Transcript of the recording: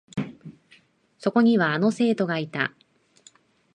そこには、あの生徒がいた。